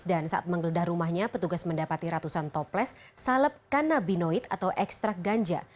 dan saat menggeledah rumahnya petugas mendapati ratusan toples salep kanabinoid atau ekstrak ganja